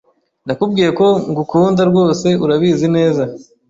Nakubwiye ko ngukunda rwose urabizi neza